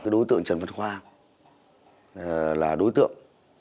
đối tượng trần văn khoa là đối tượng